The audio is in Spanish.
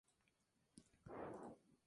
Estilo minuciosamente lobulado.